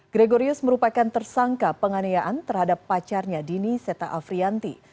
gregorius merupakan tersangka penganayaan terhadap pacarnya dini setta afrianti